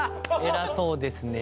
偉そうですね。